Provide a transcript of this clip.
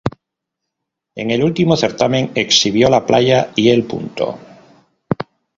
En el último certamen exhibió "La Playa" y "El Punto".